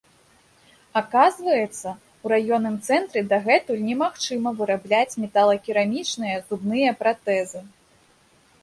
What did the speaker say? Аказваецца, у раённым цэнтры дагэтуль немагчыма вырабляць металакерамічныя зубныя пратэзы.